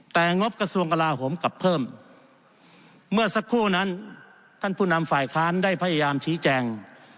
แต่งบกระทรวงกลาโหมกลับเพิ่มเมื่อสักครู่นั้นท่านผู้นำฝ่ายค้านได้พยายามชี้แจง